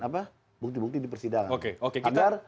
apa bukti bukti di persidangan agar